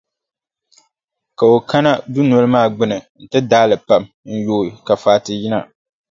Ka o kana dunoli maa gbuni nti daai li pam n-yooi ka Fati yina.